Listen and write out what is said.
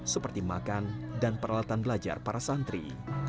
seperti makan dan peralatan belajar para santri